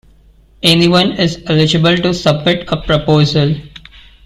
Anyone is eligible to submit a proposal.